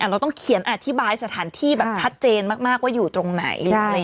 เราต้องเขียนอธิบายสถานที่แบบชัดเจนมากว่าอยู่ตรงไหน